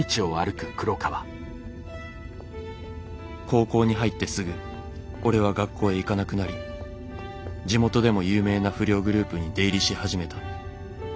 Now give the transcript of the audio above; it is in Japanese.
「高校に入ってすぐ俺は学校へ行かなくなり地元でも有名な不良グループに出入りし始めた。